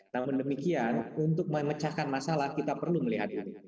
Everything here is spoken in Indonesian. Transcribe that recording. namun demikian untuk memecahkan masalah kita perlu melihatnya